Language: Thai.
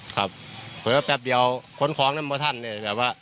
ครับเผื่อแป๊บเดียวขนของนั้นมัวท่านเนี่ยแบบว่า